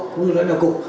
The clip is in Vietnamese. cũng như lãnh đạo cụ